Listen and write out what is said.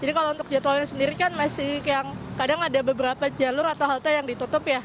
jadi kalau untuk jadwalnya sendiri kan masih yang kadang ada beberapa jalur atau halte yang ditutup ya